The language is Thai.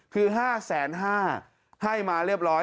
คือ๕๕๐๐บาทให้มาเรียบร้อย